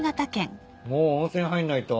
もう温泉入んないと。